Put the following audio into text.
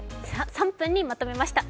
３分にまとめました。